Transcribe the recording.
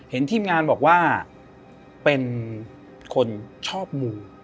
ทีมงานบอกว่าเป็นคนชอบมู